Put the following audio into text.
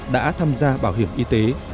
đã tham gia bảo hiểm y tế